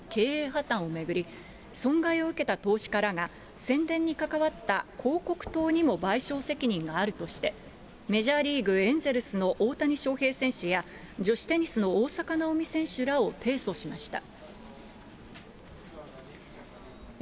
破たんを巡り、受けたとされる投資家らが、宣伝に関わった広告塔にも賠償責任があるとして、メジャーリーグ・エンゼルスの大谷翔平選手や女子テニスの大坂なおみ選手らを提訴しました。